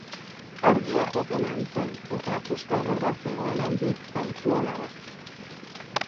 Argia joaten ari zen, eta puska eder bat zegoen handik Zautuolara.